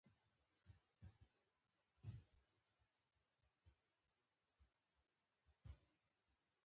ځکه پر ادب باندې خو د ښځې تسلط نه و